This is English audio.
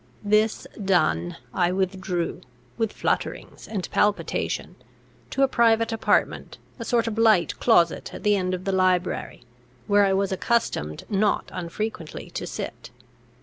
This done, I withdrew, with flutterings and palpitation, to a private apartment, a sort of light closet at the end of the library, where I was accustomed not unfrequently to sit.